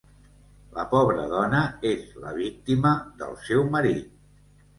La pobra dona és la víctima del seu marit.